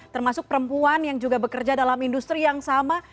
termasuk perempuan yang juga bekerja dalam industri yang sama